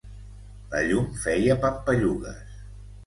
La llum feia pampallugues